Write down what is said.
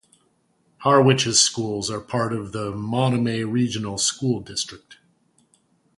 Harwich's schools are part of the Monomoy Regional School District.